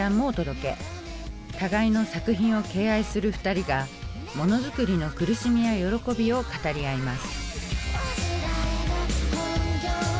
互いの作品を敬愛する２人がものづくりの苦しみや喜びを語り合います。